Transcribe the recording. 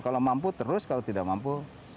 kalau mampu terus kalau tidak mampu